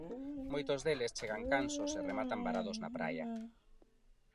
Moitos deles chegan cansos e rematan varados na praia.